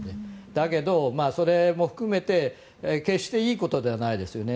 だけど、それも含めて、決していいことではないですよね。